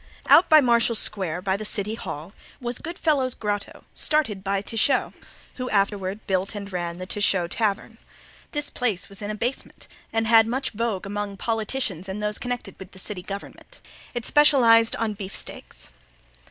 Out by Marshall Square, by the City Hall, was Good Fellow's Grotto, started by Techau, who afterward built and ran the Techau Tavern. This place was in a basement and had much vogue among politicians and those connected with the city government. It specialized on beefsteaks.